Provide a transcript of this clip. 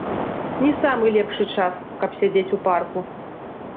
Не самы лепшы час, каб сядзець у парку.